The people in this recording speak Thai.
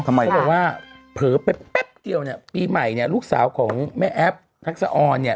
เขาบอกว่าเผลอไปแป๊บเดียวเนี่ยปีใหม่เนี่ยลูกสาวของแม่แอฟทักษะออนเนี่ย